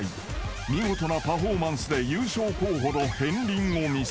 ［見事なパフォーマンスで優勝候補の片りんを見せつけた］